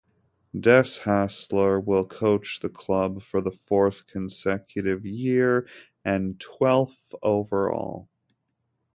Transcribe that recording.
Des Hasler will coach the club for the fourth consecutive year and twelfth overall.